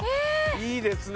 ・いいですね